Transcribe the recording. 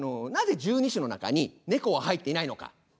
なぜ十二支の中にネコは入っていないのか？